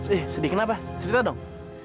eh sedih kenapa cerita dong